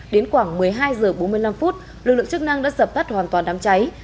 đến khoảng một mươi hai h bốn mươi năm lực lượng chức năng đã dập bắt hoàn toàn đám cháy